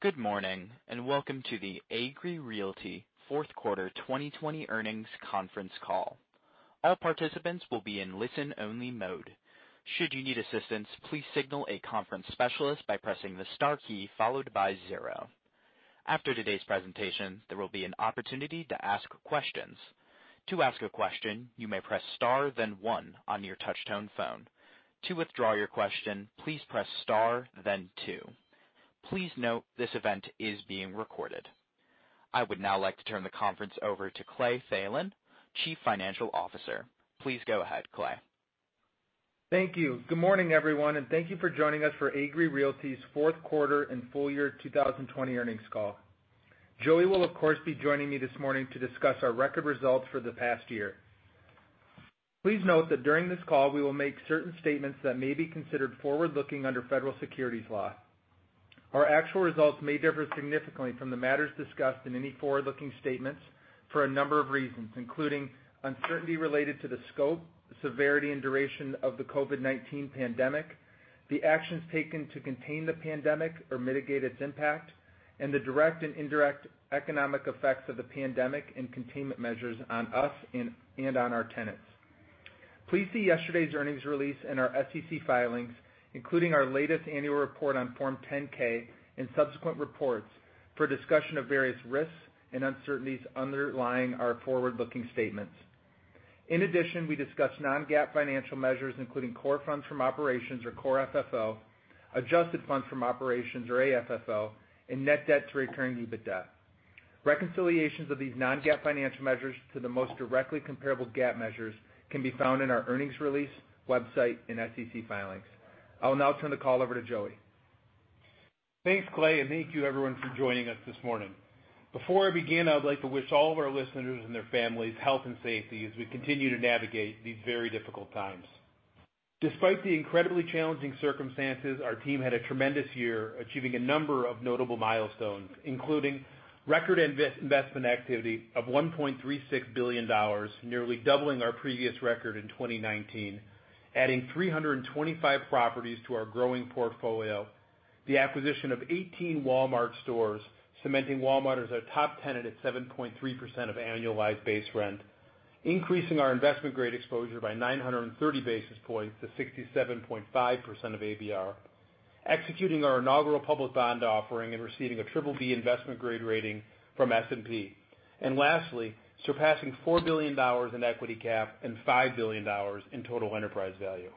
Good morning, and welcome to the Agree Realty fourth quarter 2020 earnings conference call. All participants will be in listen only mode, should you need assistant please signal a conference specialist by pressing the star key followed by zero. After today's presentation there will be an opportunity to ask questions, to ask your question you may press star then one on your touch tone phone, to withdraw your question please press star then two. Please note this event is been recorded I would now like to turn the conference over to Clayton Thelen, Chief Financial Officer. Please go ahead, Clay. Thank you. Good morning, everyone, and thank you for joining us for Agree Realty's fourth quarter and full year 2020 earnings call. Joey will, of course, be joining me this morning to discuss our record results for the past year. Please note that during this call, we will make certain statements that may be considered forward-looking under federal securities law. Our actual results may differ significantly from the matters discussed in any forward-looking statements for a number of reasons, including uncertainty related to the scope, severity, and duration of the COVID-19 pandemic, the actions taken to contain the pandemic or mitigate its impact, and the direct and indirect economic effects of the pandemic and containment measures on us and on our tenants. Please see yesterday's earnings release and our SEC filings, including our latest annual report on Form 10-K and subsequent reports for a discussion of various risks and uncertainties underlying our forward-looking statements. In addition, we discuss non-GAAP financial measures, including Core Funds From Operations or Core FFO, Adjusted Funds From Operations or AFFO, and net debt to recurring EBITDA. Reconciliations of these non-GAAP financial measures to the most directly comparable GAAP measures can be found in our earnings release, website, and SEC filings. I will now turn the call over to Joey. Thanks, Clay, and thank you, everyone, for joining us this morning. Before I begin, I would like to wish all of our listeners and their families health and safety as we continue to navigate these very difficult times. Despite the incredibly challenging circumstances, our team had a tremendous year achieving a number of notable milestones, including record investment activity of $1.36 billion, nearly doubling our previous record in 2019, adding 325 properties to our growing portfolio, the acquisition of 18 Walmart stores, cementing Walmart as our top tenant at 7.3% of annualized base rent, increasing our investment-grade exposure by 930 basis points to 67.5% of ABR, executing our inaugural public bond offering and receiving a BBB investment grade rating from S&P, and lastly, surpassing $4 billion in equity cap and $5 billion in total enterprise value.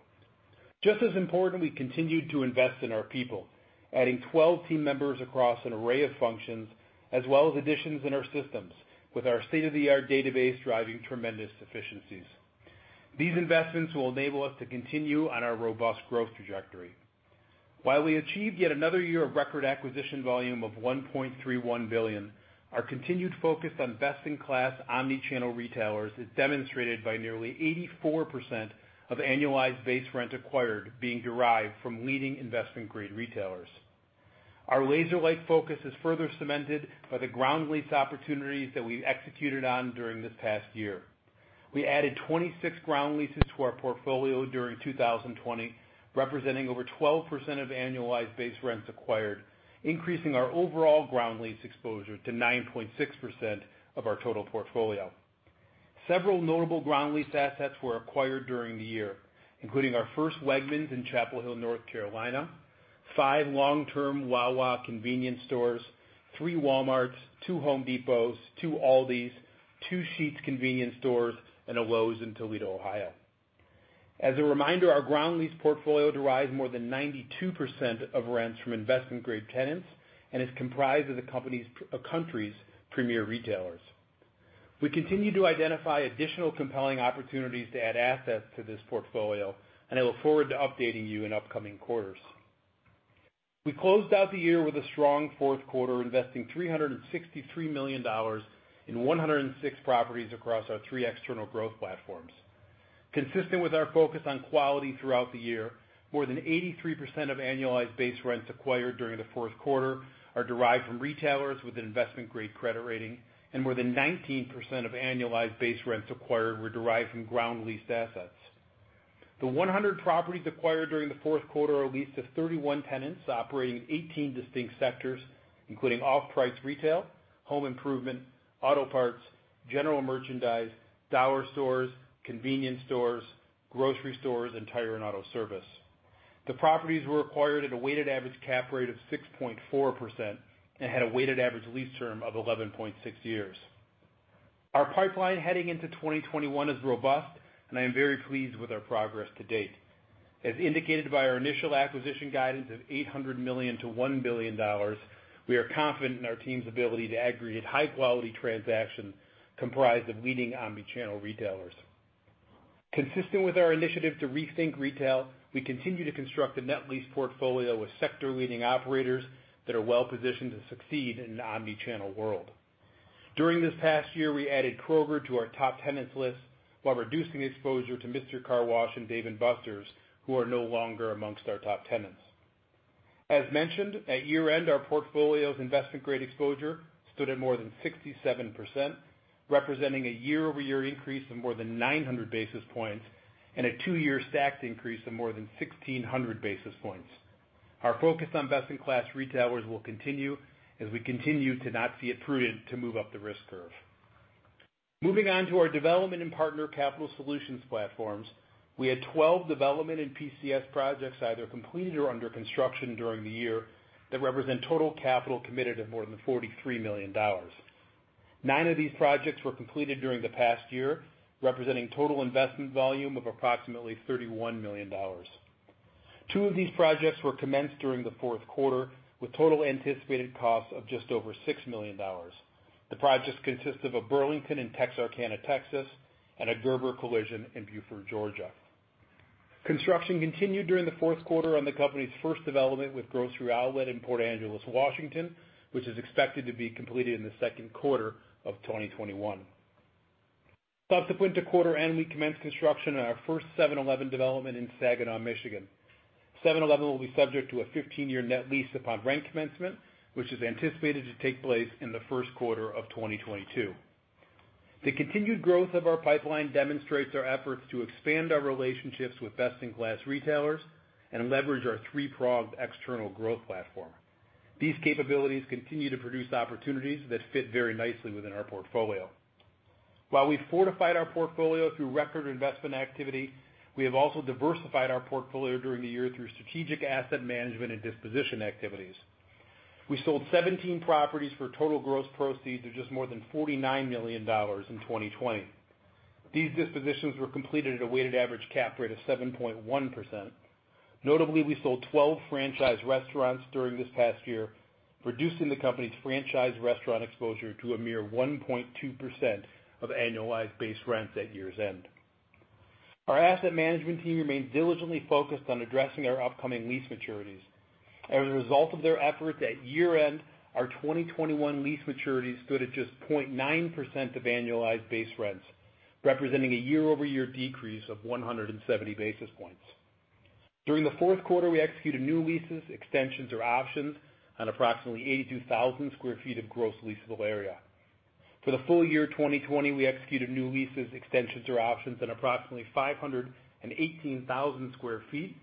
Just as important, we continued to invest in our people, adding 12 team members across an array of functions as well as additions in our systems with our state-of-the-art database driving tremendous efficiencies. These investments will enable us to continue on our robust growth trajectory. While we achieved yet another year of record acquisition volume of $1.31 billion, our continued focus on best-in-class omni-channel retailers is demonstrated by nearly 84% of annualized base rent acquired being derived from leading investment-grade retailers. Our laser-like focus is further cemented by the ground lease opportunities that we've executed on during this past year. We added 26 ground leases to our portfolio during 2020, representing over 12% of annualized base rents acquired, increasing our overall ground lease exposure to 9.6% of our total portfolio. Several notable ground lease assets were acquired during the year, including our first Wegmans in Chapel Hill, North Carolina, five long-term Wawa convenience stores, three Walmarts, two Home Depots, two Aldis, two Sheetz convenience stores, and a Lowe's in Toledo, Ohio. As a reminder, our ground lease portfolio derives more than 92% of rents from investment-grade tenants and is comprised of the country's premier retailers. We continue to identify additional compelling opportunities to add assets to this portfolio, and I look forward to updating you in upcoming quarters. We closed out the year with a strong fourth quarter, investing $363 million in 106 properties across our three external growth platforms. Consistent with our focus on quality throughout the year, more than 83% of annualized base rents acquired during the fourth quarter are derived from retailers with an investment-grade credit rating and more than 19% of annualized base rents acquired were derived from ground-leased assets. The 100 properties acquired during the fourth quarter are leased to 31 tenants operating 18 distinct sectors, including off-price retail, home improvement, auto parts, general merchandise, dollar stores, convenience stores, grocery stores, and tire and auto service. The properties were acquired at a weighted average cap rate of 6.4% and had a weighted average lease term of 11.6 years. Our pipeline heading into 2021 is robust, and I am very pleased with our progress to date. As indicated by our initial acquisition guidance of $800 million-$1 billion, we are confident in our team's ability to aggregate high-quality transactions comprised of leading omni-channel retailers. Consistent with our initiative to Rethink Retail, we continue to construct a net lease portfolio with sector-leading operators that are well-positioned to succeed in an omni-channel world. During this past year, we added Kroger to our top tenants list while reducing exposure to Mister Car Wash and Dave & Buster's, who are no longer amongst our top tenants. As mentioned, at year-end, our portfolio's investment-grade exposure stood at more than 67%, representing a year-over-year increase of more than 900 basis points, and a two-year stacked increase of more than 1,600 basis points. Our focus on best-in-class retailers will continue as we continue to not see it prudent to move up the risk curve. Moving on to our development and Partner Capital Solutions platforms, we had 12 development and PCS projects either completed or under construction during the year that represent total capital committed of more than $43 million. nine of these projects were completed during the past year, representing total investment volume of approximately $31 million. two of these projects were commenced during the fourth quarter, with total anticipated costs of just over $6 million. The projects consist of a Burlington in Texarkana, Texas, and a Gerber Collision in Buford, Georgia. Construction continued during the fourth quarter on the company's first development with Grocery Outlet in Port Angeles, Washington, which is expected to be completed in the second quarter of 2021. Subsequent to quarter end, we commenced construction on our first 7-Eleven development in Saginaw, Michigan. 7-Eleven will be subject to a 15-year net lease upon rent commencement, which is anticipated to take place in the first quarter of 2022. The continued growth of our pipeline demonstrates our efforts to expand our relationships with best-in-class retailers and leverage our three-pronged external growth platform. These capabilities continue to produce opportunities that fit very nicely within our portfolio. While we fortified our portfolio through record investment activity, we have also diversified our portfolio during the year through strategic asset management and disposition activities. We sold 17 properties for total gross proceeds of just more than $49 million in 2020. These dispositions were completed at a weighted average cap rate of 7.1%. Notably, we sold 12 franchise restaurants during this past year, reducing the company's franchise restaurant exposure to a mere 1.2% of annualized base rents at year's end. Our asset management team remains diligently focused on addressing our upcoming lease maturities. As a result of their efforts at year-end, our 2021 lease maturities stood at just 0.9% of annualized base rents, representing a year-over-year decrease of 170 basis points. During the fourth quarter, we executed new leases, extensions or options on approximately 82,000 sq ft of gross leasable area. For the full year 2020, we executed new leases, extensions or options on approximately 518,000 sq ft.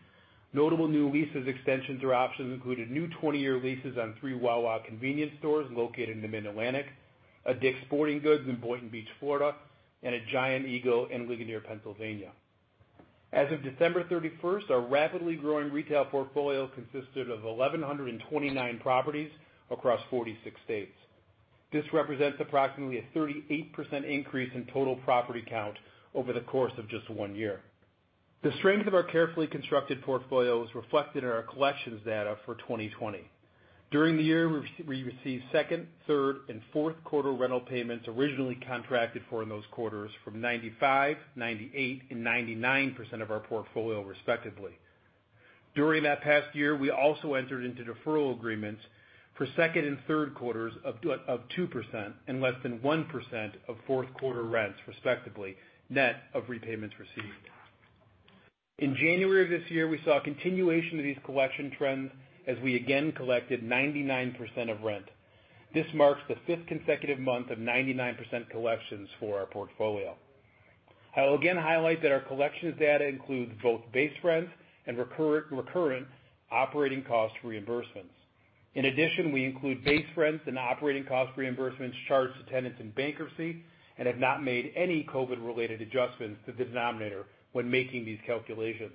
Notable new leases, extensions or options included new 20-year leases on three Wawa convenience stores located in the Mid-Atlantic, a DICK'S Sporting Goods in Boynton Beach, Florida, and a Giant Eagle in Ligonier, Pennsylvania. As of December 31st, our rapidly growing retail portfolio consisted of 1,129 properties across 46 states. This represents approximately a 38% increase in total property count over the course of just one year. The strength of our carefully constructed portfolio is reflected in our collections data for 2020. During the year, we received second, third, and fourth quarter rental payments originally contracted for in those quarters from 95%, 98%, and 99% of our portfolio, respectively. During that past year, we also entered into deferral agreements for 2nd and 3rd quarters of 2%, and less than 1% of 4th quarter rents, respectively, net of repayments received. In January of this year, we saw a continuation of these collection trends as we again collected 99% of rent. This marks the 5th consecutive month of 99% collections for our portfolio. I will again highlight that our collections data includes both base rents and recurrent operating cost reimbursements. In addition, we include base rents and operating cost reimbursements charged to tenants in bankruptcy and have not made any COVID-related adjustments to the denominator when making these calculations.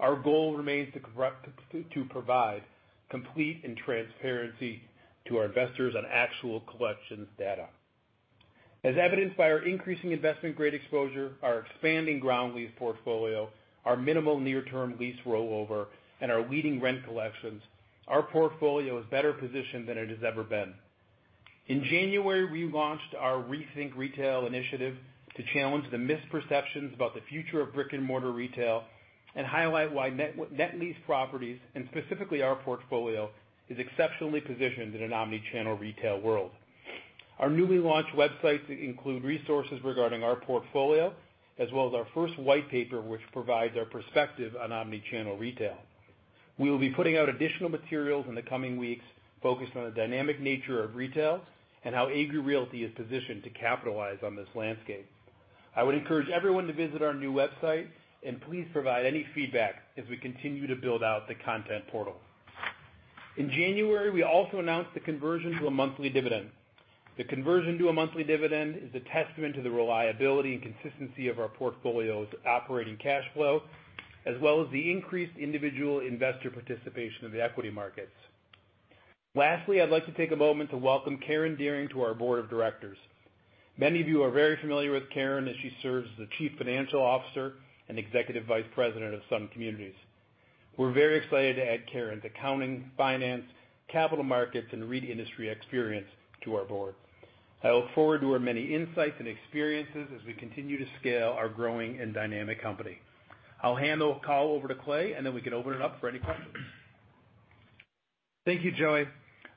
Our goal remains to provide complete and transparency to our investors on actual collections data. As evidenced by our increasing investment-grade exposure, our expanding ground lease portfolio, our minimal near-term lease rollover, and our leading rent collections, our portfolio is better positioned than it has ever been. In January, we launched our Rethink Retail initiative to challenge the misperceptions about the future of brick-and-mortar retail and highlight why net lease properties, and specifically our portfolio, is exceptionally positioned in an omni-channel retail world. Our newly launched websites include resources regarding our portfolio, as well as our first white paper, which provides our perspective on omni-channel retail. We will be putting out additional materials in the coming weeks focused on the dynamic nature of retail and how Agree Realty is positioned to capitalize on this landscape. I would encourage everyone to visit our new website, and please provide any feedback as we continue to build out the content portal. In January, we also announced the conversion to a monthly dividend. The conversion to a monthly dividend is a testament to the reliability and consistency of our portfolio's operating cash flow, as well as the increased individual investor participation in the equity markets. Lastly, I'd like to take a moment to welcome Karen Dearing to our board of directors. Many of you are very familiar with Karen as she serves as the chief financial officer and executive vice president of Sun Communities. We're very excited to add Karen's accounting, finance, capital markets, and REIT industry experience to our board. I look forward to her many insights and experiences as we continue to scale our growing and dynamic company. I'll hand the call over to Clay, and then we can open it up for any questions. Thank you, Joey.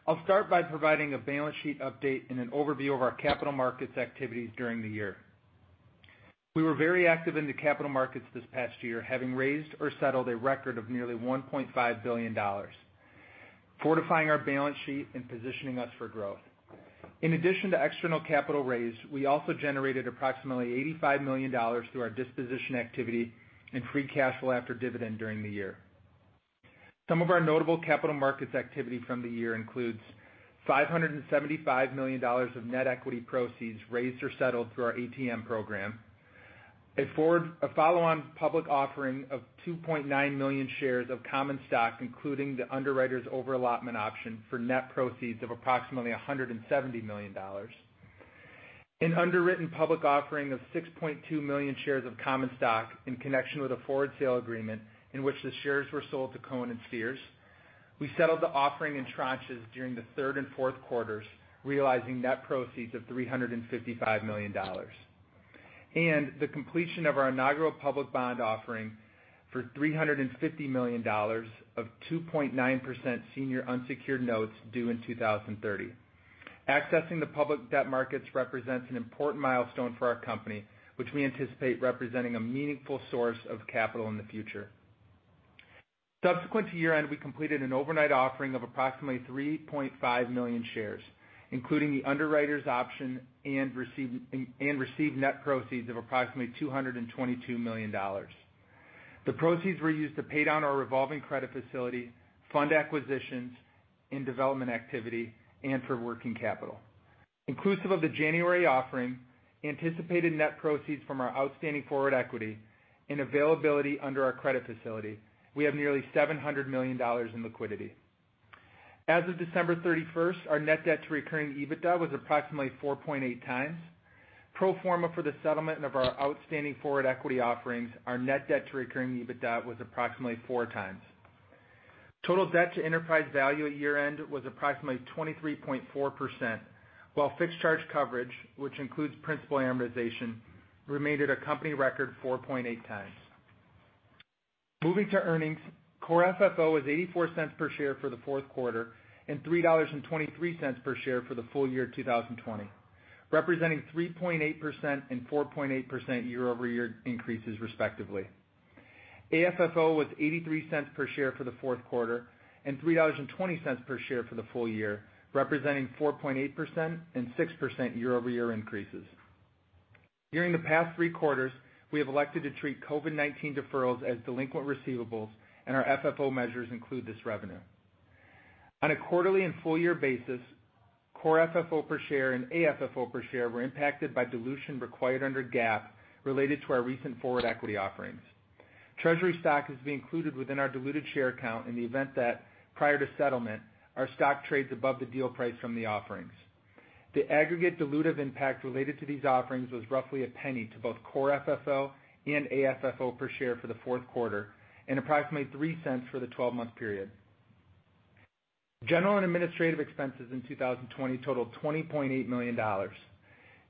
I'll start by providing a balance sheet update and an overview of our capital markets activities during the year. We were very active in the capital markets this past year, having raised or settled a record of nearly $1.5 billion, fortifying our balance sheet and positioning us for growth. In addition to external capital raised, we also generated approximately $85 million through our disposition activity in free cash flow after dividend during the year. Some of our notable capital markets activity from the year includes $575 million of net equity proceeds raised or settled through our ATM program, a follow-on public offering of 2.9 million shares of common stock, including the underwriter's over-allotment option for net proceeds of approximately $170 million, an underwritten public offering of 6.2 million shares of common stock in connection with a forward sale agreement in which the shares were sold to Cohen & Steers. We settled the offering in tranches during the third and fourth quarters, realizing net proceeds of $355 million. The completion of our inaugural public bond offering for $350 million of 2.9% senior unsecured notes due in 2030. Accessing the public debt markets represents an important milestone for our company, which we anticipate representing a meaningful source of capital in the future. Subsequent to year-end, we completed an overnight offering of approximately 3.5 million shares, including the underwriter's option, and received net proceeds of approximately $222 million. The proceeds were used to pay down our revolving credit facility, fund acquisitions and development activity, and for working capital. Inclusive of the January offering, anticipated net proceeds from our outstanding forward equity, and availability under our credit facility, we have nearly $700 million in liquidity. As of December 31st, our net debt to recurring EBITDA was approximately 4.8 times. Pro forma for the settlement of our outstanding forward equity offerings, our net debt to recurring EBITDA was approximately four times. Total debt to enterprise value at year-end was approximately 23.4%, while fixed charge coverage, which includes principal amortization, remained at a company record 4.8 times. Moving to earnings, Core FFO was $0.84 per share for the fourth quarter and $3.23 per share for the full year 2020, representing 3.8% and 4.8% year-over-year increases respectively. AFFO was $0.83 per share for the fourth quarter and $3.20 per share for the full year, representing 4.8% and 6% year-over-year increases. During the past three quarters, we have elected to treat COVID-19 deferrals as delinquent receivables, and our FFO measures include this revenue. On a quarterly and full-year basis, Core FFO per share and AFFO per share were impacted by dilution required under GAAP related to our recent forward equity offerings. Treasury stock is to be included within our diluted share count in the event that, prior to settlement, our stock trades above the deal price from the offerings. The aggregate dilutive impact related to these offerings was roughly $0.01 to both Core FFO and AFFO per share for the fourth quarter, and approximately $0.03 for the 12-month period. General and administrative expenses in 2020 totaled $20.8 million.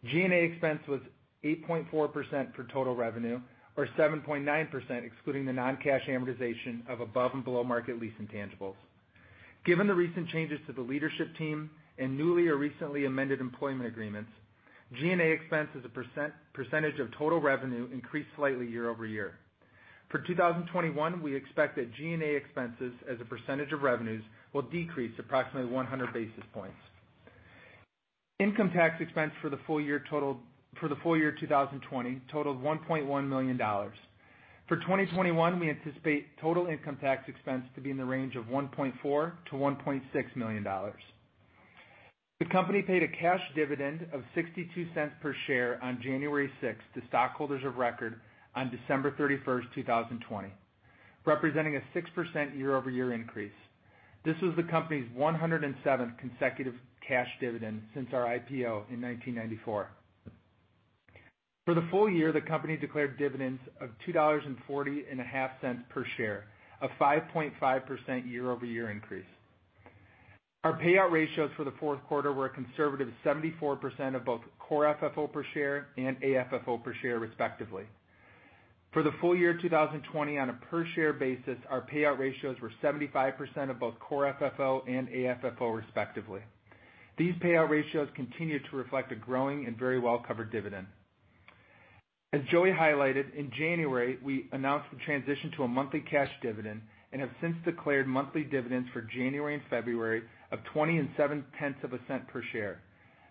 G&A expense was 8.4% for total revenue, or 7.9%, excluding the non-cash amortization of above and below market lease intangibles. Given the recent changes to the leadership team and newly or recently amended employment agreements, G&A expense, as a percentage of total revenue, increased slightly year-over-year. For 2021, we expect that G&A expenses as a percentage of revenues will decrease approximately 100 basis points. Income tax expense for the full year 2020 totaled $1.1 million. For 2021, we anticipate total income tax expense to be in the range of $1.4 million-$1.6 million. The company paid a cash dividend of $0.62 per share on January 6th to stockholders of record on December 31st, 2020, representing a 6% year-over-year increase. This was the company's 107th consecutive cash dividend since our IPO in 1994. For the full year, the company declared dividends of $2.405 per share, a 5.5% year-over-year increase. Our payout ratios for the fourth quarter were a conservative 74% of both Core FFO per share and AFFO per share, respectively. For the full year 2020 on a per-share basis, our payout ratios were 75% of both Core FFO and AFFO, respectively. These payout ratios continue to reflect a growing and very well-covered dividend. As Joey highlighted, in January, we announced the transition to a monthly cash dividend and have since declared monthly dividends for January and February of $0.207 per share.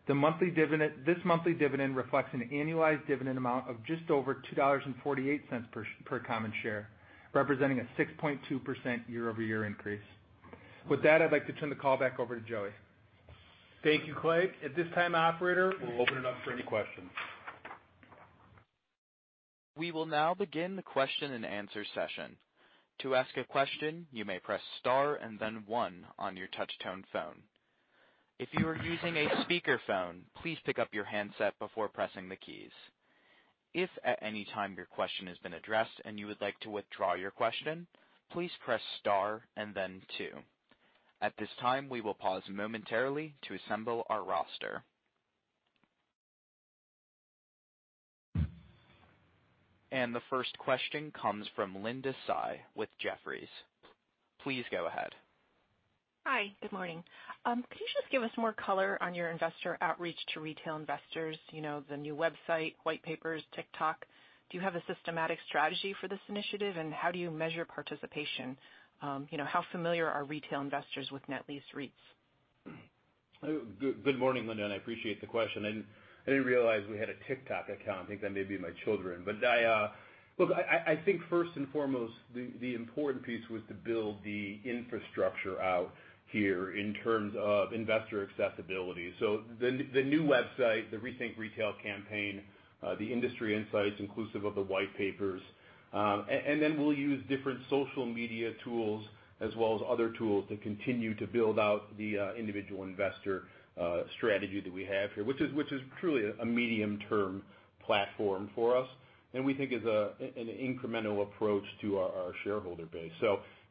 This monthly dividend reflects an annualized dividend amount of just over $2.48 per common share, representing a 6.2% year-over-year increase. With that, I'd like to turn the call back over to Joey. Thank you, Clay. At this time, operator, we'll open it up for any questions. we would now begin the question and answer session. To ask your question you may press star then one on your touch tone phone. If you are using a speaker phone please pick up your handset before pressing the key. If at anytime your question is been addressed and you would like to withdraw your question, please press star and then two. At this time we would pause momentarily to assemble our roaster. The first question comes from Linda Tsai with Jefferies. Please go ahead. Hi. Good morning. Could you just give us more color on your investor outreach to retail investors, the new website, white papers, TikTok? Do you have a systematic strategy for this initiative, and how do you measure participation? How familiar are retail investors with net lease REITs? Good morning, Linda. I appreciate the question. I didn't realize we had a TikTok account. I think that may be my children. Look, I think first and foremost, the important piece was to build the infrastructure out here in terms of investor accessibility. The new website, the Rethink Retail campaign, the industry insights inclusive of the white papers, then we'll use different social media tools as well as other tools to continue to build out the individual investor strategy that we have here, which is truly a medium-term platform for us and we think is an incremental approach to our shareholder base.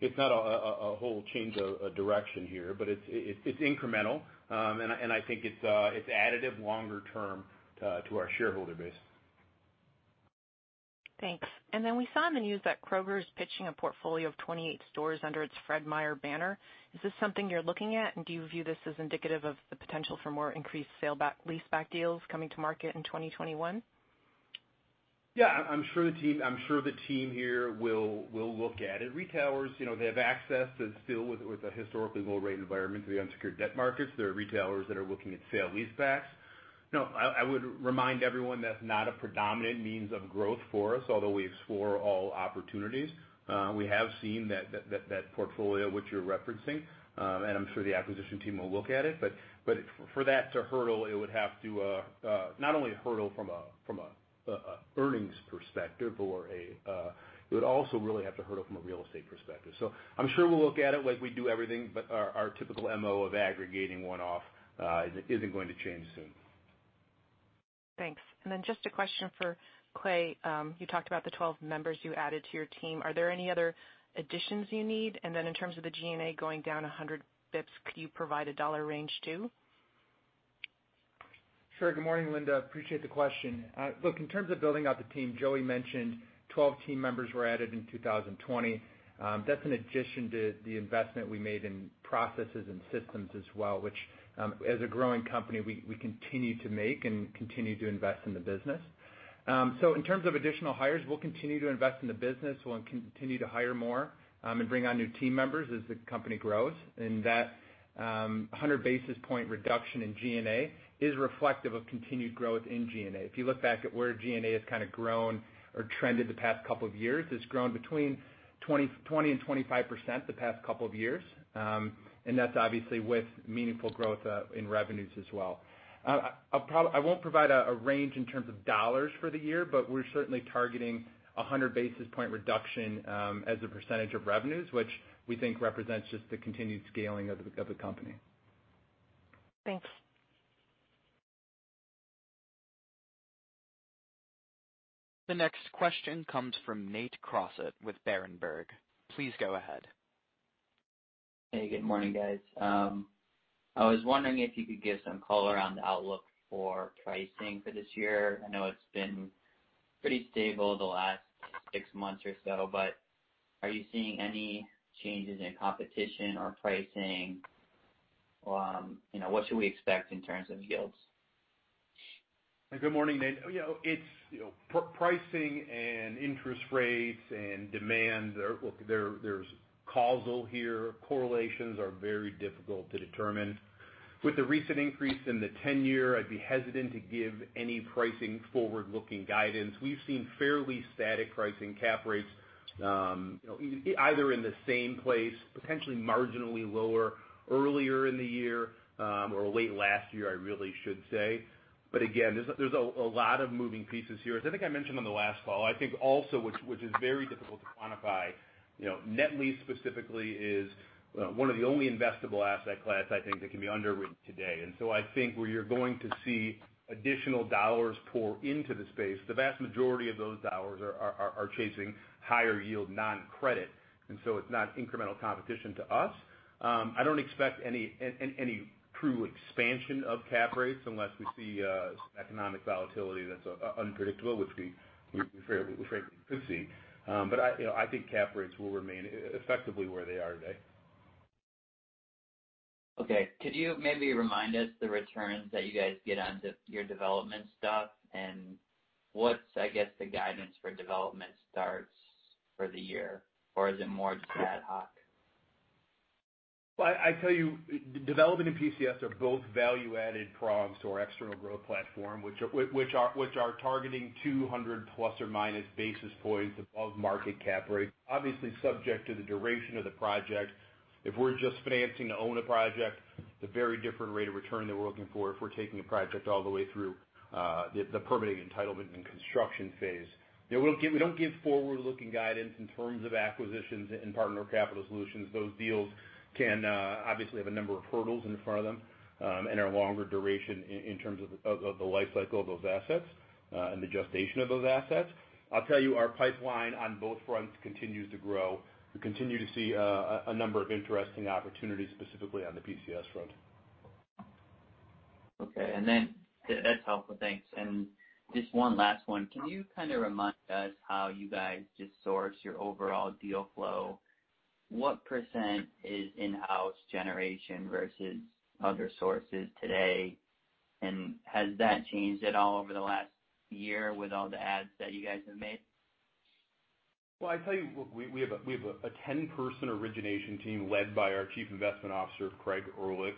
It's not a whole change of direction here, but it's incremental, and I think it's additive longer term to our shareholder base. Thanks. We saw in the news that Kroger's pitching a portfolio of 28 stores under its Fred Meyer banner. Is this something you're looking at? Do you view this as indicative of the potential for more increased sale-leaseback deals coming to market in 2021? Yeah. I'm sure the team here will look at it. Retailers, they have access to still with a historically low rate environment to the unsecured debt markets. There are retailers that are looking at sale-leasebacks. No, I would remind everyone that's not a predominant means of growth for us, although we explore all opportunities. We have seen that portfolio which you're referencing. I'm sure the acquisition team will look at it, but for that to hurdle, it would have to not only hurdle from an earnings perspective, it would also really have to hurdle from a real estate perspective. I'm sure we'll look at it like we do everything, but our typical MO of aggregating one-off isn't going to change soon. Thanks. Just a question for Clay. You talked about the 12 members you added to your team. Are there any other additions you need? In terms of the G&A going down 100 basis points, could you provide a dollar range too? Sure. Good morning, Linda. Appreciate the question. Look, in terms of building out the team, Joey mentioned 12 team members were added in 2020. That's an addition to the investment we made in processes and systems as well, which, as a growing company, we continue to make and continue to invest in the business. In terms of additional hires, we'll continue to invest in the business. We'll continue to hire more, and bring on new team members as the company grows. That 100 basis point reduction in G&A is reflective of continued growth in G&A. If you look back at where G&A has kind of grown or trended the past couple of years, it's grown between 20%-25% the past couple of years. That's obviously with meaningful growth in revenues as well. I won't provide a range in terms of dollars for the year, but we're certainly targeting 100 basis point reduction as a percentage of revenues, which we think represents just the continued scaling of the company. Thanks. The next question comes from Nate Crossett with Berenberg. Please go ahead. Hey, good morning, guys. I was wondering if you could give some color on the outlook for pricing for this year. I know it's been pretty stable the last six months or so, are you seeing any changes in competition or pricing? What should we expect in terms of yields? Good morning, Nate. Pricing and interest rates and demand, there's causal here. Correlations are very difficult to determine. With the recent increase in the 10-year, I'd be hesitant to give any pricing forward-looking guidance. We've seen fairly static pricing cap rates, either in the same place, potentially marginally lower earlier in the year, or late last year, I really should say. Again, there's a lot of moving pieces here. As I think I mentioned on the last call, I think also, which is very difficult to quantify, net lease specifically is one of the only investable asset class, I think, that can be underwritten today. I think where you're going to see additional dollars pour into the space, the vast majority of those dollars are chasing higher yield non-credit, and so it's not incremental competition to us. I don't expect any true expansion of cap rates unless we see economic volatility that's unpredictable, which we frankly could see. I think cap rates will remain effectively where they are today. Okay. Could you maybe remind us the returns that you guys get on your development stuff? What's, I guess, the guidance for development starts for the year? Is it more ad hoc? Well, I tell you, development and PCS are both value-added prongs to our external growth platform, which are targeting 200 plus or minus basis points above market cap rate, obviously subject to the duration of the project. If we're just financing to own a project, it's a very different rate of return than we're looking for if we're taking a project all the way through the permitting, entitlement, and construction phase. We don't give forward-looking guidance in terms of acquisitions in Partner Capital Solutions. Those deals can obviously have a number of hurdles in front of them, and are longer duration in terms of the life cycle of those assets, and the gestation of those assets. I'll tell you, our pipeline on both fronts continues to grow. We continue to see a number of interesting opportunities specifically on the PCS front. Okay. That's helpful. Thanks. Just one last one. Can you kind of remind us how you guys just source your overall deal flow? What % is in-house generation versus other sources today, and has that changed at all over the last year with all the adds that you guys have made? Well, I tell you, we have a 10-person origination team led by our Chief Investment Officer, Craig Erlich,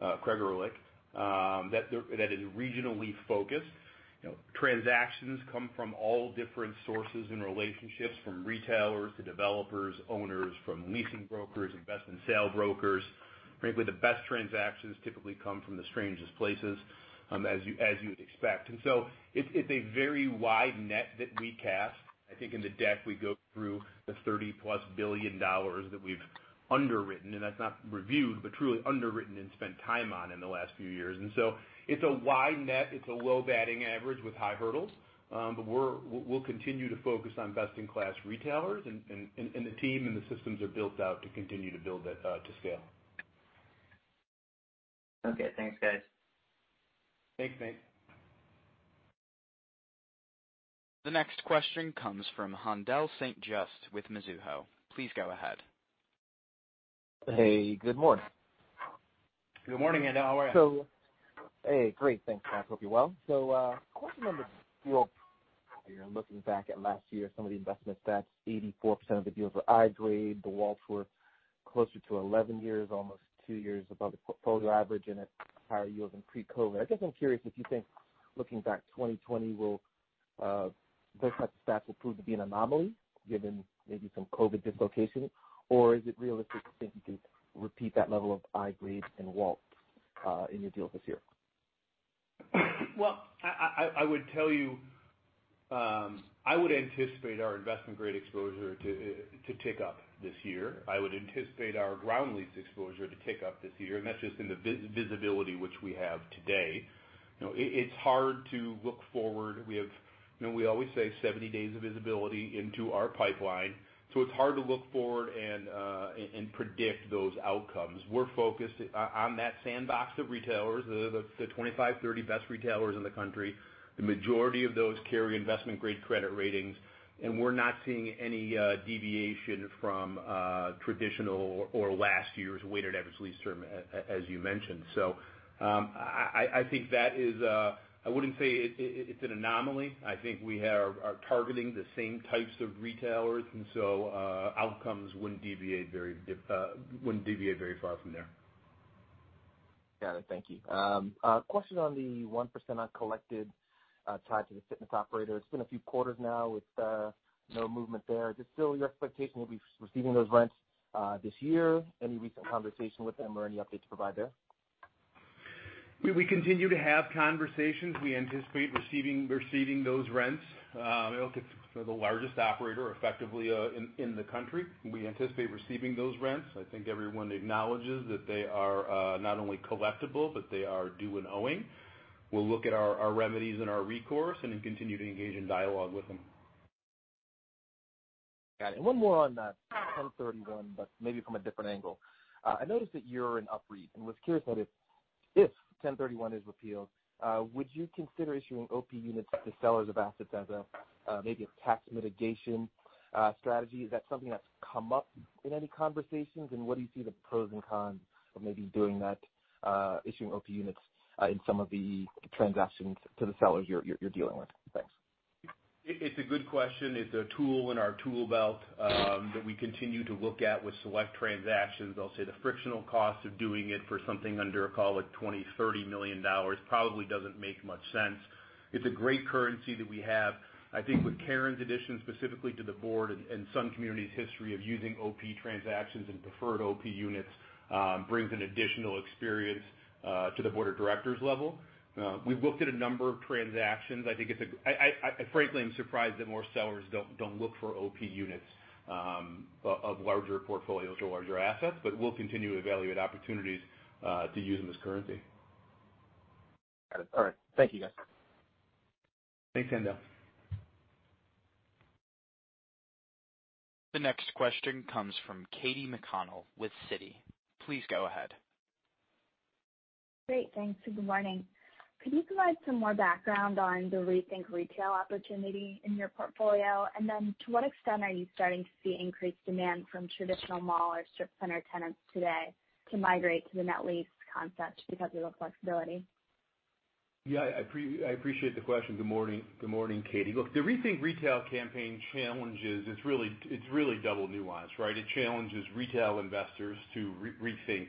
that is regionally focused. Transactions come from all different sources and relationships, from retailers to developers, owners, from leasing brokers, investment sale brokers. Frankly, the best transactions typically come from the strangest places, as you would expect. It's a very wide net that we cast. I think in the deck we go through the $30+ billion that we've underwritten, and that's not reviewed, but truly underwritten and spent time on in the last few years. It's a wide net. It's a low batting average with high hurdles. We'll continue to focus on best-in-class retailers and the team and the systems are built out to continue to build that to scale. Okay. Thanks, guys. Thanks, Nate. The next question comes from Haendel St. Juste with Mizuho. Please go ahead. Hey, good morning. Good morning, Haendel. How are you? Great. Thanks, guys. Hope you're well. Question on the deal. Looking back at last year, some of the investment stats, 84% of the deals were I grade. The WALTs were closer to 11 years, almost two years above the portfolio average and at higher yields than pre-COVID-19. I guess I'm curious if you think, looking back 2020, those type of stats will prove to be an anomaly given maybe some COVID-19 dislocation, or is it realistic to think you can repeat that level of I grades and wallets in your deals this year? I would tell you, I would anticipate our investment-grade exposure to tick up this year. I would anticipate our ground lease exposure to tick up this year, and that's just in the visibility which we have today. It's hard to look forward. We always say 70 days of visibility into our pipeline, so it's hard to look forward and predict those outcomes. We're focused on that sandbox of retailers, the 25, 30 best retailers in the country. The majority of those carry investment-grade credit ratings, and we're not seeing any deviation from traditional or last year's weighted average lease term, as you mentioned. I think that is. I wouldn't say it's an anomaly. I think we are targeting the same types of retailers, and so outcomes wouldn't deviate very far from there. Got it. Thank you. Question on the 1% uncollected tied to the fitness operator. It's been a few quarters now with no movement there. Is it still your expectation you'll be receiving those rents this year? Any recent conversation with them or any updates to provide there? We continue to have conversations. We anticipate receiving those rents. Look, it's the largest operator effectively in the country. We anticipate receiving those rents. I think everyone acknowledges that they are not only collectible, but they are due and owing. We'll look at our remedies and our recourse and then continue to engage in dialogue with them. Got it. One more on that 1031, but maybe from a different angle. I noticed that you're in UPREIT and was curious about if 1031 is repealed, would you consider issuing OP Units to sellers of assets as maybe a tax mitigation strategy? Is that something that's come up in any conversations, and what do you see the pros and cons of maybe doing that, issuing OP Units in some of the transactions to the sellers you're dealing with? Thanks. It's a good question. It's a tool in our tool belt that we continue to look at with select transactions. I'll say the frictional cost of doing it for something under, call it $20 million, $30 million, probably doesn't make much sense. It's a great currency that we have. I think with Karen's addition specifically to the board and Sun Communities' history of using OP transactions and preferred OP units brings an additional experience to the board of directors level. We've looked at a number of transactions. I frankly am surprised that more sellers don't look for OP units of larger portfolios or larger assets, but we'll continue to evaluate opportunities to use them as currency. All right. Thank you, guys. Thanks, Haendel. The next question comes from Katy McConnell with Citi. Please go ahead. Great. Thanks. Good morning. Could you provide some more background on the Rethink Retail opportunity in your portfolio? To what extent are you starting to see increased demand from traditional mall or strip center tenants today to migrate to the net lease concept because of the flexibility? Yeah, I appreciate the question. Good morning, Katy. Look, the Rethink Retail campaign. It's really double nuanced, right? It challenges retail investors to rethink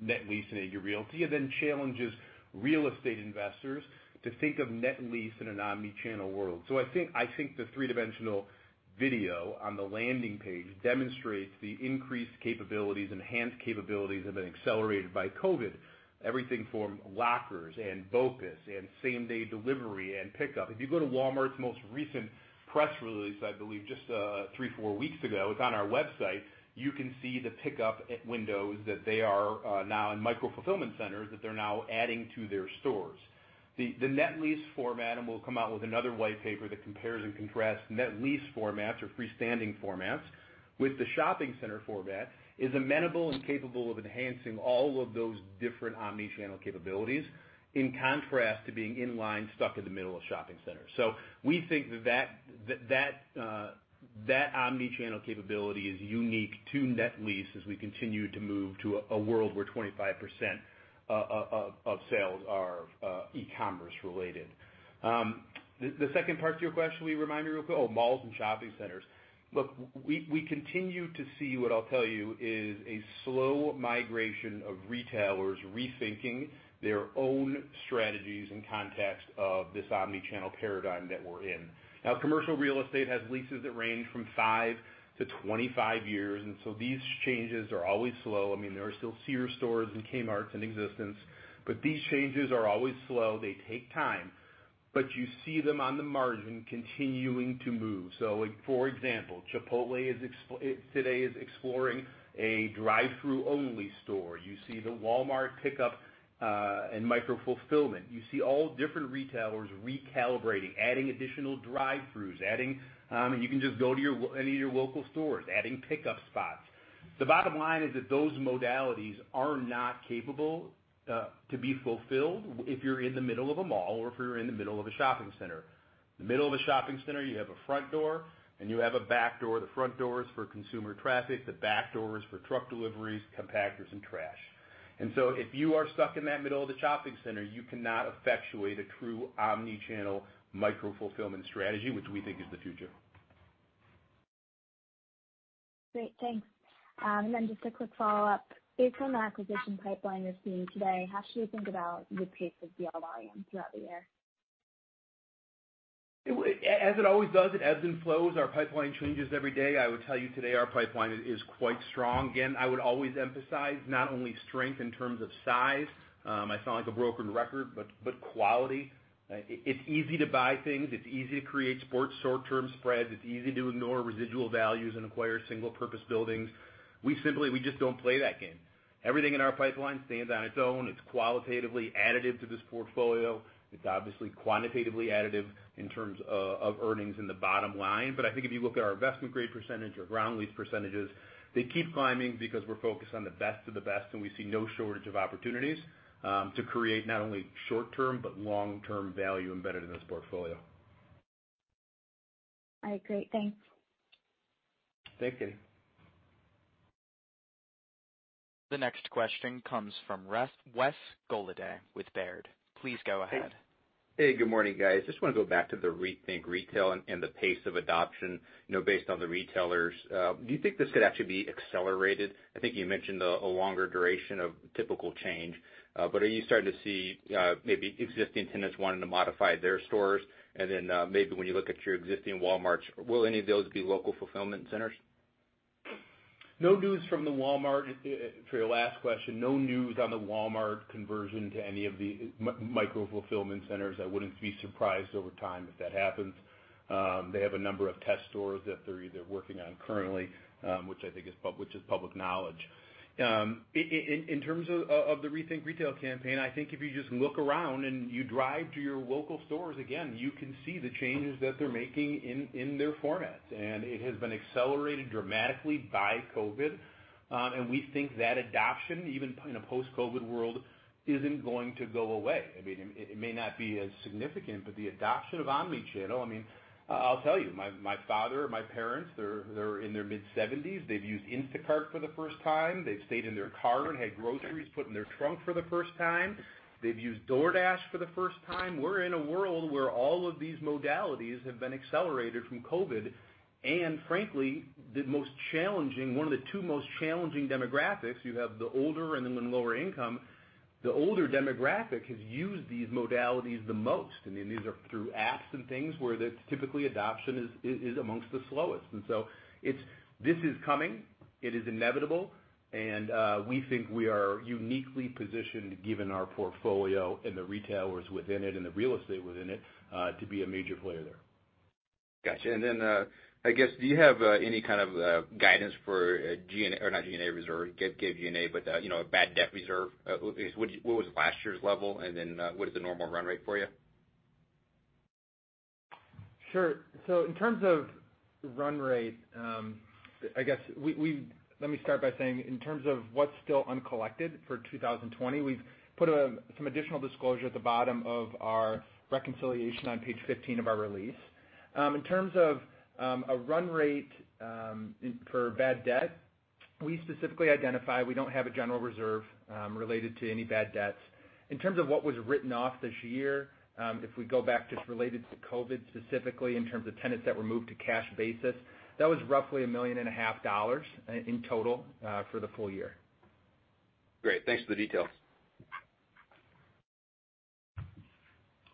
net lease in Agree Realty, and then challenges real estate investors to think of net lease in an omni-channel world. I think the three-dimensional video on the landing page demonstrates the increased capabilities, enhanced capabilities have been accelerated by COVID. Everything from lockers and BOPIS and same-day delivery and pickup. If you go to Walmart's most recent press release, I believe just three, four weeks ago, it's on our website, you can see the pickup windows that they are now in micro-fulfillment centers that they're now adding to their stores. The net lease format, and we'll come out with another white paper that compares and contrasts net lease formats or freestanding formats with the shopping center format, is amenable and capable of enhancing all of those different omni-channel capabilities, in contrast to being in line stuck in the middle of shopping centers. We think that omni-channel capability is unique to net lease as we continue to move to a world where 25% of sales are e-commerce related. The second part to your question, will you remind me real quick? Oh, malls and shopping centers. We continue to see what I'll tell you is a slow migration of retailers rethinking their own strategies in context of this omni-channel paradigm that we're in. Commercial real estate has leases that range from five to 25 years, these changes are always slow. There are still Sears stores and Kmart in existence. These changes are always slow. They take time. You see them on the margin continuing to move. For example, Chipotle today is exploring a drive-through only store. You see the Walmart pickup and micro-fulfillment. You see all different retailers recalibrating, adding additional drive-throughs. You can just go to any of your local stores, adding pickup spots. The bottom line is that those modalities are not capable to be fulfilled if you're in the middle of a mall or if you're in the middle of a shopping center. The middle of a shopping center, you have a front door and you have a back door. The front door is for consumer traffic. The back door is for truck deliveries, compactors, and trash. If you are stuck in that middle of the shopping center, you cannot effectuate a true omni-channel micro-fulfillment strategy, which we think is the future. Great, thanks. Just a quick follow-up. Based on the acquisition pipeline you're seeing today, how should we think about the pace of deal volume throughout the year? As it always does, it ebbs and flows. Our pipeline changes every day. I would tell you today our pipeline is quite strong. I would always emphasize not only strength in terms of size, I sound like a broken record, but quality. It's easy to buy things. It's easy to create short-term spreads. It's easy to ignore residual values and acquire single purpose buildings. We just don't play that game. Everything in our pipeline stands on its own. It's qualitatively additive to this portfolio. It's obviously quantitatively additive in terms of earnings in the bottom line. I think if you look at our investment grade percentage or ground lease percentages, they keep climbing because we're focused on the best of the best, and we see no shortage of opportunities to create not only short-term, but long-term value embedded in this portfolio. All right, great. Thanks. Thanks, Katy. The next question comes from Wes Golladay with Baird. Please go ahead. Hey, good morning, guys. I want to go back to the Rethink Retail and the pace of adoption based on the retailers. Do you think this could actually be accelerated? I think you mentioned a longer duration of typical change. Are you starting to see maybe existing tenants wanting to modify their stores? Maybe when you look at your existing Walmarts, will any of those be local fulfillment centers? No news from the Walmart for your last question. No news on the Walmart conversion to any of the micro-fulfillment centers. I wouldn't be surprised over time if that happens. They have a number of test stores that they're either working on currently, which I think is public knowledge. In terms of the Rethink Retail campaign, I think if you just look around and you drive to your local stores, again, you can see the changes that they're making in their formats. It has been accelerated dramatically by COVID-19. We think that adoption, even in a post-COVID-19 world, isn't going to go away. It may not be as significant, but the adoption of omni-channel. I'll tell you, my father, my parents, they're in their mid-70s. They've used Instacart for the first time. They've stayed in their car and had groceries put in their trunk for the first time. They've used DoorDash for the first time. We're in a world where all of these modalities have been accelerated from COVID. Frankly, one of the two most challenging demographics, you have the older and then the lower income. The older demographic has used these modalities the most. These are through apps and things where typically adoption is amongst the slowest. This is coming. It is inevitable. We think we are uniquely positioned given our portfolio and the retailers within it and the real estate within it, to be a major player there. Got you. I guess, do you have any kind of guidance for bad debt reserve? What was last year's level, and then what is the normal run rate for you? Sure. In terms of run rate, let me start by saying, in terms of what's still uncollected for 2020, we've put some additional disclosure at the bottom of our reconciliation on page 15 of our release. In terms of a run rate for bad debt, we specifically identify we don't have a general reserve related to any bad debts. In terms of what was written off this year, if we go back just related to COVID specifically in terms of tenants that were moved to cash basis, that was roughly a million and a half dollars in total for the full year. Great. Thanks for the details.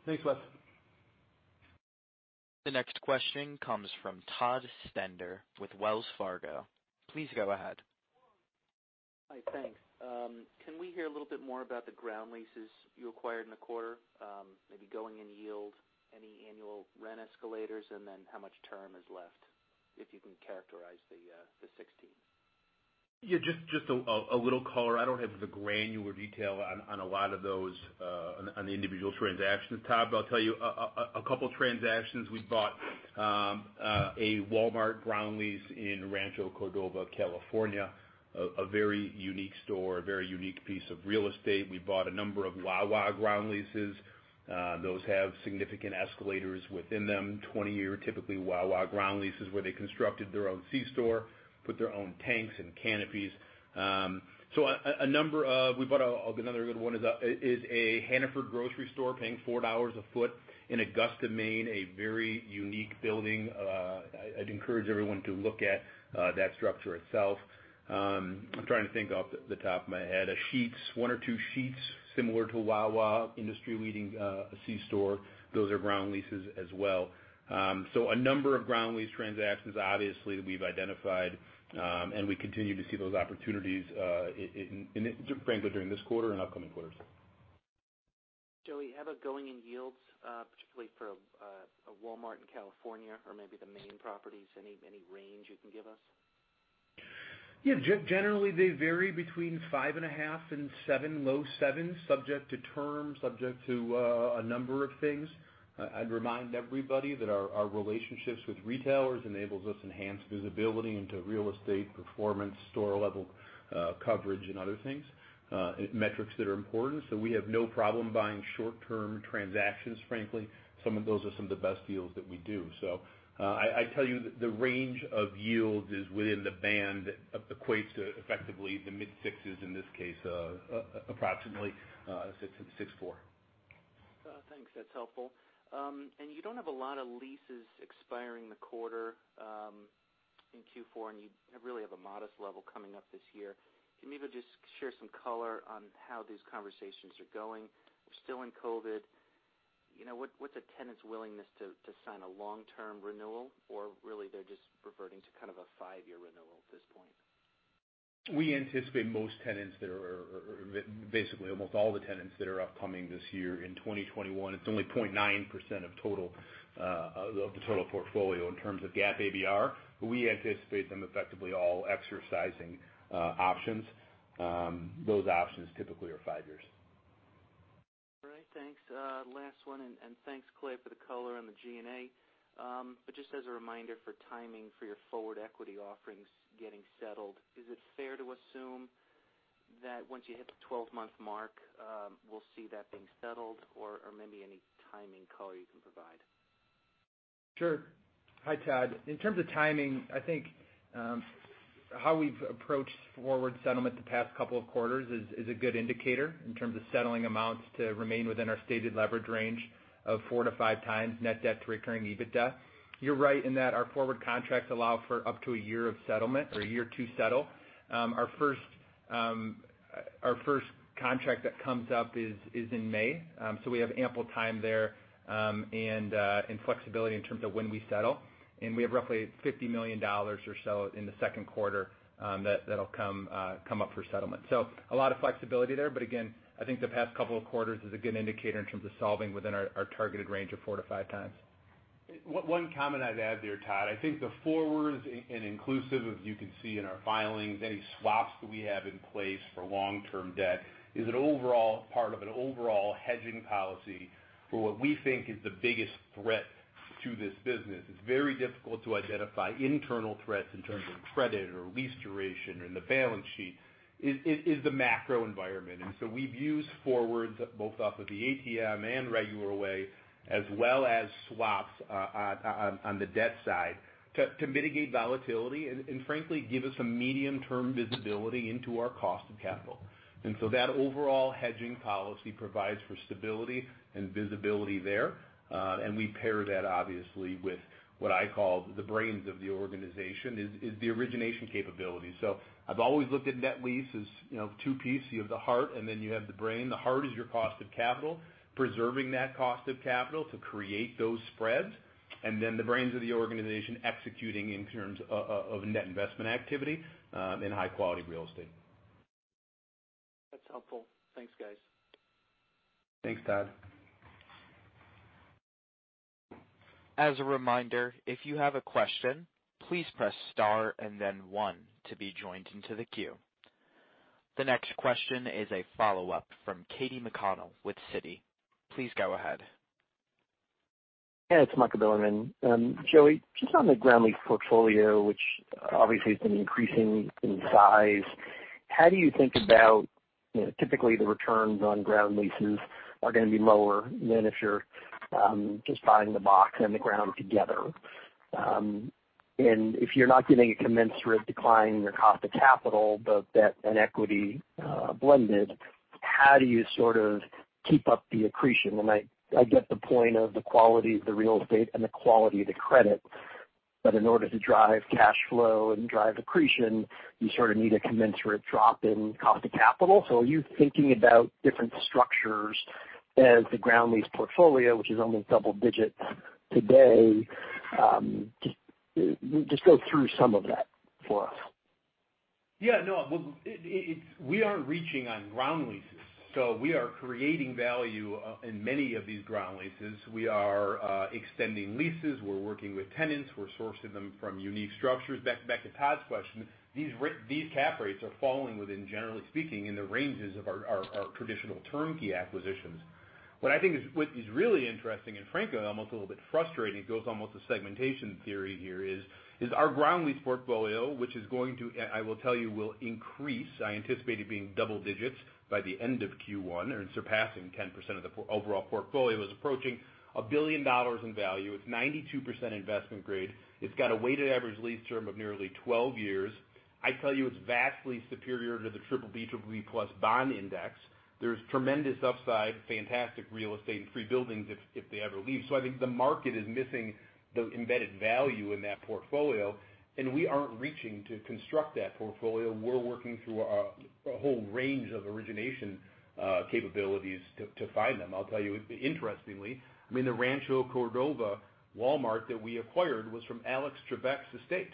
Thanks, Wes. The next question comes from Todd Stender with Wells Fargo. Please go ahead. Hi, thanks. Can we hear a little bit more about the ground lease you acquired in the quarter? Maybe going in yield, any annual rent escalators, and then how much term is left, if you can characterize the 1031. Yeah, just a little color. I don't have the granular detail on a lot of those on the individual transactions, Todd, but I'll tell you a couple transactions. We bought a Walmart ground lease in Rancho Cordova, California. A very unique store, a very unique piece of real estate. We bought a number of Wawa ground leases. Those have significant escalators within them, 20-year, typically, Wawa ground leases where they constructed their own C-store, put their own tanks and canopies. We bought another good one is a Hannaford grocery store paying $4 a foot in Augusta, Maine, a very unique building. I'd encourage everyone to look at that structure itself. I'm trying to think off the top of my head. A Sheetz, one or two Sheetz similar to Wawa, industry-leading C-store. Those are ground leases as well. A number of ground lease transactions, obviously, that we've identified, and we continue to see those opportunities, frankly, during this quarter and upcoming quarters. Joey, how about going in yields, particularly for a Walmart in California or maybe the Maine properties? Any range you can give us? Yeah, generally, they vary between five and a half and seven, low sevens, subject to terms, subject to a number of things. I'd remind everybody that our relationships with retailers enables us enhanced visibility into real estate performance, store level coverage, and other things, metrics that are important. We have no problem buying short-term transactions, frankly. Some of those are some of the best deals that we do. I tell you the range of yields is within the band equates to effectively the mid-sixes in this case, approximately 6.4. Thanks. That's helpful. You don't have a lot of leases expiring in the quarter, in Q4, and you really have a modest level coming up this year. Can you maybe just share some color on how these conversations are going? We're still in COVID. What's a tenant's willingness to sign a long-term renewal? Really, they're just reverting to kind of a five-year renewal at this point. We anticipate most tenants that are, basically almost all the tenants that are upcoming this year in 2021. It's only 0.9% of the total portfolio in terms of GAAP ABR, but we anticipate them effectively all exercising options. Those options typically are five years. All right. Thanks. Last one. Thanks, Clay, for the color on the G&A. Just as a reminder for timing for your forward equity offerings getting settled, is it fair to assume that once you hit the 12-month mark, we'll see that being settled or maybe any timing color you can provide? Sure. Hi, Todd. In terms of timing, I think how we've approached forward settlement the past couple of quarters is a good indicator in terms of settling amounts to remain within our stated leverage range of four to five times net debt to recurring EBITDA. You're right in that our forward contracts allow for up to a year of settlement or a year to settle. Our first contract that comes up is in May. We have ample time there, and flexibility in terms of when we settle. We have roughly $50 million or so in the second quarter that'll come up for settlement. A lot of flexibility there, but again, I think the past couple of quarters is a good indicator in terms of solving within our targeted range of four to five times. One comment I'd add there, Todd, I think the forwards and inclusive, as you can see in our filings, any swaps that we have in place for long-term debt is part of an overall hedging policy for what we think is the biggest threat to this business. It's very difficult to identify internal threats in terms of credit or lease duration or the balance sheet. It's the macro environment. We've used forwards both off of the ATM and regular way as well as swaps on the debt side to mitigate volatility and frankly, give us some medium-term visibility into our cost of capital. That overall hedging policy provides for stability and visibility there. We pair that obviously with what I call the brains of the organization, is the origination capability. I've always looked at net lease as two piece. You have the heart, and then you have the brain. The heart is your cost of capital, preserving that cost of capital to create those spreads, and then the brains of the organization executing in terms of net investment activity in high-quality real estate. That's helpful. Thanks, guys. Thanks, Todd. As a reminder, if you have a question, please press star and then one to be joined into the queue. The next question is a follow-up from Katy McConnell with Citi. Please go ahead. Yeah, it's Michael Bilerman. Joey, just on the ground lease portfolio, which obviously has been increasing in size, how do you think about typically the returns on ground lease are going to be lower than if you're just buying the box and the ground together. If you're not getting a commensurate decline in your cost of capital, both debt and equity blended, how do you sort of keep up the accretion? I get the point of the quality of the real estate and the quality of the credit, but in order to drive cash flow and drive accretion, you sort of need a commensurate drop in cost of capital. Are you thinking about different structures as the ground lease portfolio, which is only double-digit today? Just go through some of that for us. We are reaching on ground lease, so we are creating value in many of these ground lease. We are extending leases. We're working with tenants. We're sourcing them from unique structures. Back to Todd's question, these cap rates are falling within, generally speaking, in the ranges of our traditional turnkey acquisitions. What I think is really interesting, and frankly, almost a little bit frustrating, it goes almost to segmentation theory here, is our ground lease portfolio. Which is going to, I will tell you, will increase, I anticipate it being double digits by the end of Q1. Surpassing 10% of the overall portfolio is approaching $1 billion in value. It's 92% investment grade. It's got a weighted average lease term of nearly 12 years. I tell you it's vastly superior to the BBB+ bond index. There's tremendous upside, fantastic real estate and free buildings if they ever leave. I think the market is missing the embedded value in that portfolio, and we aren't reaching to construct that portfolio. We're working through a whole range of origination capabilities to find them. I'll tell you, interestingly, I mean, the Rancho Cordova Walmart that we acquired was from Alex Trebek's estate.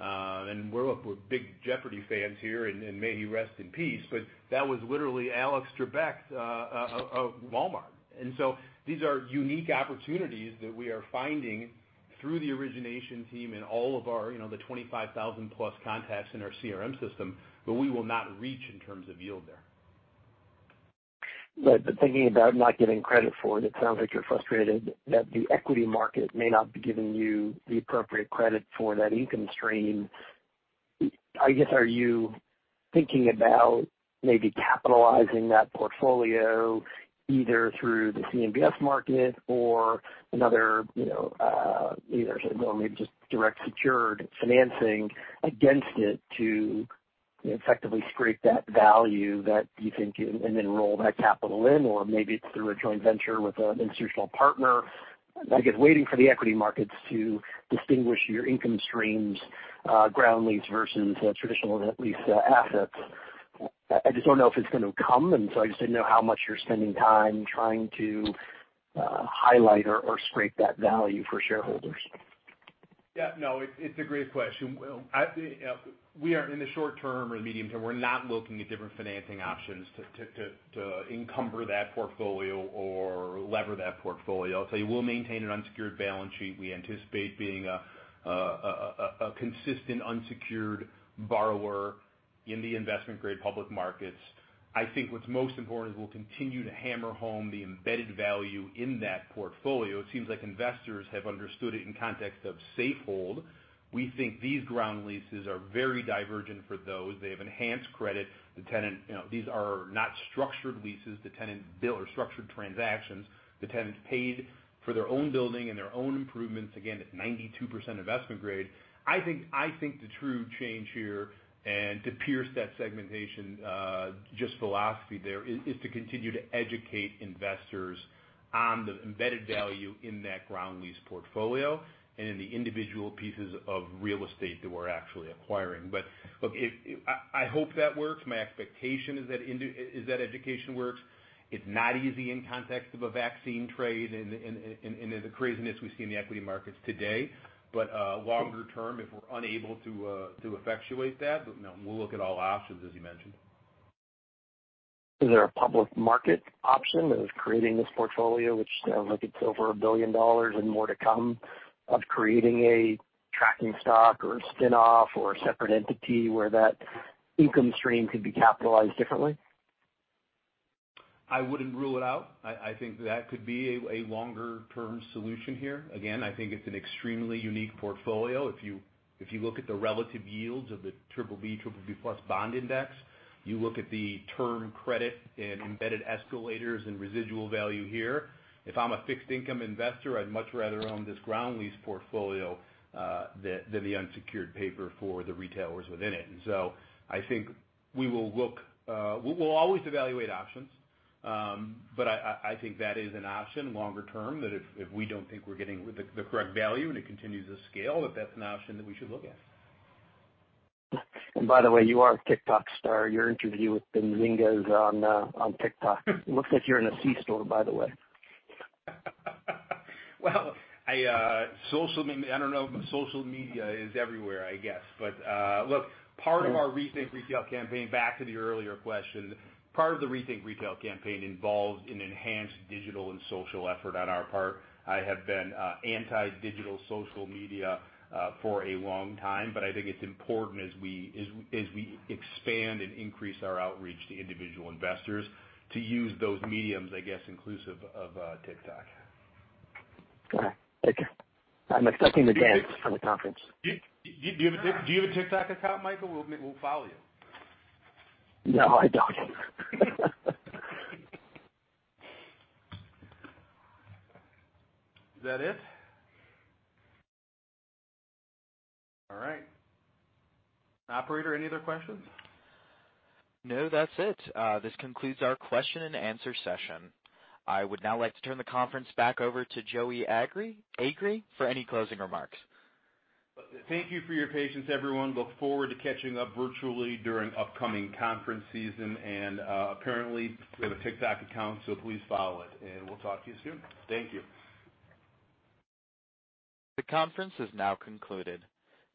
We're big Jeopardy! fans here, and may he rest in peace. That was literally Alex Trebek's Walmart. These are unique opportunities that we are finding through the origination team and all of our the 25,000-plus contacts in our CRM system, but we will not reach in terms of yield there. Right. Thinking about not giving credit for it sounds like you're frustrated that the equity market may not be giving you the appropriate credit for that income stream. I guess, are you thinking about maybe capitalizing that portfolio either through the CMBS market or another, either, say, well, maybe just direct secured financing against it to effectively scrape that value that you think and then roll that capital in, or maybe it's through a joint venture with an institutional partner, I guess waiting for the equity markets to distinguish your income streams, ground lease versus traditional net lease assets. I just don't know if it's going to come, I just didn't know how much you're spending time trying to highlight or scrape that value for shareholders. Yeah, no, it's a great question. We are in the short term or the medium term. We're not looking at different financing options to encumber that portfolio or lever that portfolio. I'll tell you, we'll maintain an unsecured balance sheet. We anticipate being a consistent unsecured borrower in the investment-grade public markets. I think what's most important is we'll continue to hammer home the embedded value in that portfolio. It seems like investors have understood it in context of Safehold. We think these ground leases are very divergent for those. They have enhanced credit. These are not structured leases. The tenant bill or structured transactions. The tenants paid for their own building and their own improvements, again, at 92% investment grade. I think the true change here and to pierce that segmentation, just philosophy there, is to continue to educate investors on the embedded value in that ground lease portfolio and in the individual pieces of real estate that we're actually acquiring. Look, I hope that works. My expectation is that education works. It's not easy in context of a vaccine trade and the craziness we see in the equity markets today. Longer term, if we're unable to effectuate that, we'll look at all options, as you mentioned. Is there a public market option of creating this portfolio, which it's over $1 billion and more to come, of creating a tracking stock or a spin-off or a separate entity where that income stream could be capitalized differently? I wouldn't rule it out. I think that could be a longer-term solution here. Again, I think it's an extremely unique portfolio. If you look at the relative yields of the BBB plus bond index, you look at the term credit and embedded escalators and residual value here. If I'm a fixed-income investor, I'd much rather own this ground lease portfolio than the unsecured paper for the retailers within it. I think we'll always evaluate options. I think that is an option longer term, that if we don't think we're getting the correct value and it continues to scale, that that's an option that we should look at. By the way, you are a TikTok star. Your interview with Benzinga is on TikTok. It looks like you're in a C-store, by the way. Well, I don't know if social media is everywhere, I guess. Look, part of our Rethink Retail campaign, back to the earlier question, part of the Rethink Retail campaign involves an enhanced digital and social effort on our part. I have been anti-digital social media for a long time, I think it's important as we expand and increase our outreach to individual investors, to use those mediums, I guess, inclusive of TikTok. Okay. Thank you. I'm expecting a dance on the conference. Do you have a TikTok account, Michael? We'll follow you. No, I don't. Is that it? All right. Operator, any other questions? No, that's it. This concludes our question and answer session. I would now like to turn the conference back over to Joey Agree for any closing remarks. Thank you for your patience, everyone. We look forward to catching up virtually during upcoming conference season. Apparently, we have a TikTok account, so please follow it, and we'll talk to you soon. Thank you. The conference is now concluded.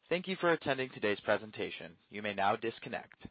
Thank you for attending today's presentation. You may now disconnect.